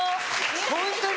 ホントに？